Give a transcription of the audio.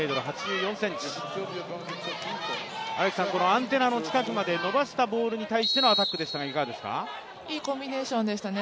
アンテナの近くまで伸ばしたボールに対してのアタックでしたがいかがでしたか？